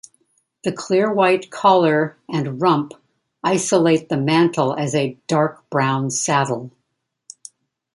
The clear white collar and rump isolate the mantle as a dark brown 'saddle'.